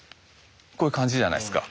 こういう感じじゃないですか。